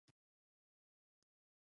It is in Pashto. د چاپیریال ککړتیا څه زیان لري؟